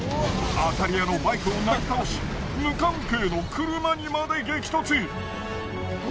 当たり屋のバイクをなぎ倒し無関係の車にまで激突。